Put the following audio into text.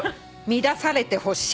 乱されてほしい。